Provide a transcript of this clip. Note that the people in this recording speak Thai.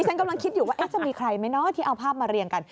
ฉันกำลังคิดอยู่ว่าจะมีใครไหมเนาะที่เอาภาพมาเรียงกัน